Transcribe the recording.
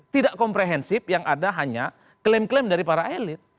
tidak komprehensif yang ada hanya klaim klaim dari para elit